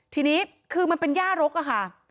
ทีนี้คือมันเป็นย่ารกอะค่ะ